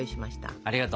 ありがとう！